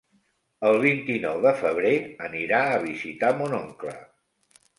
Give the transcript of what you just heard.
El vint-i-nou de febrer anirà a visitar mon oncle.